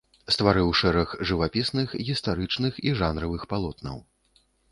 Стварыў шэраг жывапісных гістарычных і жанравых палотнаў.